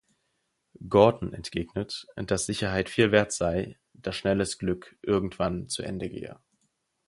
Gordon entgegnet, dass Sicherheit viel wert sei, da schnelles Glück irgendwann zu Ende gehe.